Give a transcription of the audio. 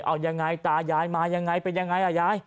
เอายังไงตายายมายังไงเป็นยังไงอ่ะยาย